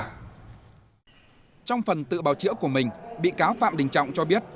trong phần tự bào chữa của mình bị cáo phạm đình trọng cho biết